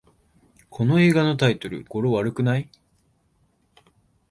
この外国映画のタイトル、語呂悪くない？